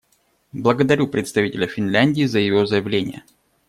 Благодарю представителя Финляндии за ее заявление.